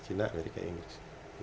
china amerika inggris